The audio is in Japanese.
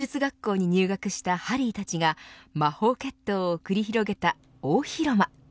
ホグワーツ魔法魔術学校に入学したハリーたちが魔法決闘を繰り広げた大広間。